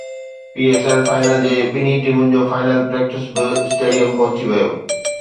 P S L final جي ٻنهي ٽيمن جو فائنل پريڪٽس به اسٽيڊيم پهچي ويو